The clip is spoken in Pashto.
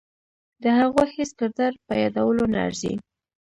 د هغوی هیڅ کردار په یادولو نه ارزي.